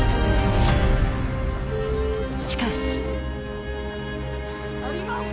しかし。